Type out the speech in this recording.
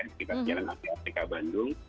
sekitar sejarah nasional di afrika bandung